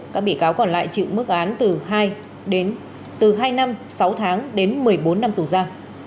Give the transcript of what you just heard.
các bị cáo còn lại chịu mức án từ hai năm sáu tháng đến một mươi bốn năm tù gia